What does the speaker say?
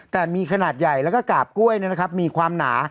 แต่มีขนาดใหญ่แล้วก็กาบกล้วยเนี่ยนะครับมีความหนา